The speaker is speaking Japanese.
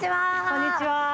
こんにちは。